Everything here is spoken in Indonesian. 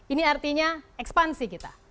ini artinya ekspansi kita